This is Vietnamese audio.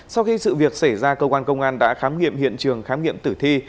sau khi sự việc xảy ra công an đã khám nghiệm hiện trường khám nghiệm tử thi